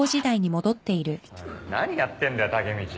何やってんだよタケミチ。